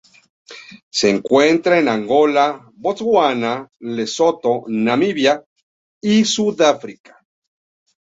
Se encuentra en Angola, Botsuana, Lesoto, Namibia y Sudáfrica.